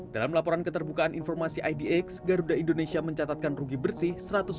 dalam laporan keterbukaan informasi idx garuda indonesia mencatatkan rugi bersih